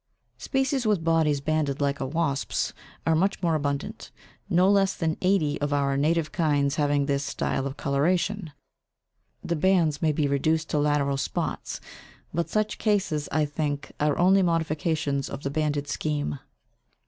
Species with bodies banded like a wasp's are much more abundant no less than eighty of our native kinds having this style of coloration. The bands may be reduced to lateral spots, but such cases, I think, are only modifications of the banded scheme.